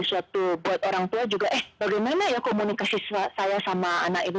sesuatu buat orang tua juga eh bagaimana ya komunikasi saya sama anak itu